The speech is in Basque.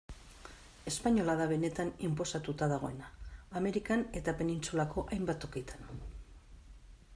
Espainola da benetan inposatuta dagoena, Amerikan eta penintsulako hainbat tokitan.